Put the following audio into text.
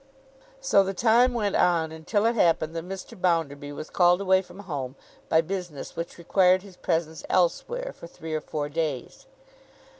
So the time went on; until it happened that Mr. Bounderby was called away from home by business which required his presence elsewhere, for three or four days.